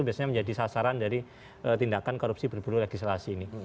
biasanya menjadi sasaran dari tindakan korupsi berburu legislasi ini